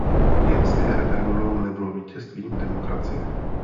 Irské referendum nebylo vítězstvím demokracie.